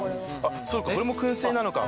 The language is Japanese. そうかこれも燻製なのか。